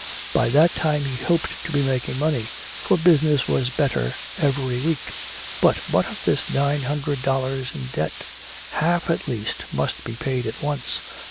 By that time he hoped to be making money, for business was better every week. But what of this nine hundred dollars in debts? Half at least must be paid at once.